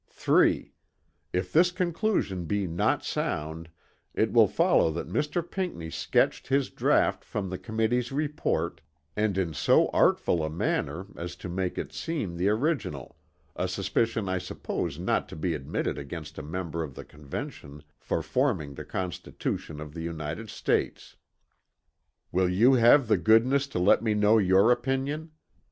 "3. If this conclusion be not sound, it will follow that Mr. Pinckney sketched his draught from the Committee's Report, and in so artful a manner as to make it seem the original, a suspicion I suppose not to be admitted against a member of the Convention for forming the Constitution of the United States. "Will you have the goodness to let me know your opinion?